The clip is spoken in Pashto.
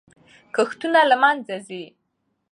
کښتونه له منځه ځي.